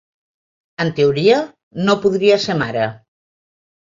En teoria, no podria ser mare.